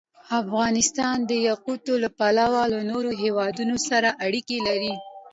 افغانستان د یاقوت له پلوه له نورو هېوادونو سره اړیکې لري.